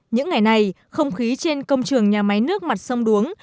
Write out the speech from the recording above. những ngày này không khí trên công trường nhà máy nước mặt sông đuống